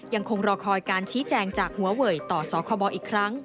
ยังคงรอคอยการชี้แจงจากหัวเวยต่อสคบอีกครั้ง